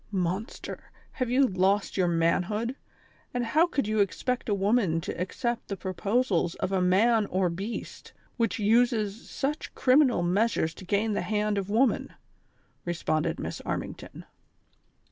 ''Monster, have you lost your manhood, and how could you expect a woman to accept the proposals of a man or beast, which uses such criminal measures to gain the hand of woman V" responded Miss Armington.